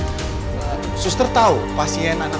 murti pergi kemana sih